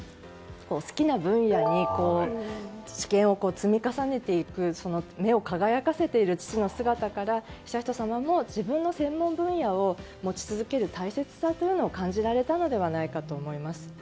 好きな分野に知見を積み重ねていく目を輝かせている父の姿から悠仁さまも自分の専門分野を持ち続ける大切さを感じられたのではないかと思います。